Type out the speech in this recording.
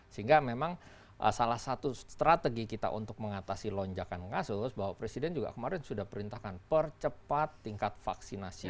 sehingga memang salah satu strategi kita untuk mengatasi lonjakan kasus bahwa presiden juga kemarin sudah perintahkan percepat tingkat vaksinasi